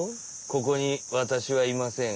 ここにわたしはいません。